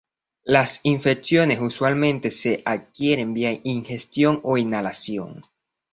Las infecciones usualmente se adquieren vía ingestión o inhalación.